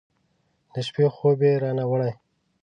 د شپې خوب یې رانه وړی